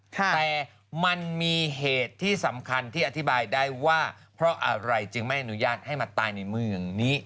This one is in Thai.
แต่มันมีเหตุที่สำคัญที่อธิบายได้ว่าเพราะอะไรจึงไม่อนุญาตให้มาตายในเมืองนี้